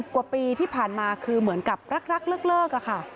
กว่าปีที่ผ่านมาคือเหมือนกับรักเลิกค่ะ